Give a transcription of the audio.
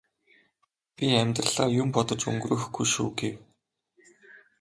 би амьдралаа юм бодож өнгөрөөхгүй шүү гэв.